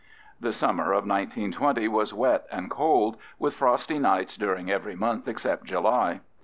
The summer of 1920 was wet and cold, with frosty nights during every month except July.